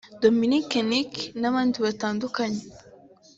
Dominic Nic n’abandi batandukanye